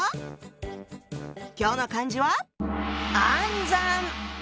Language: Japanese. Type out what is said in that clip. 今日の漢字は「暗算」！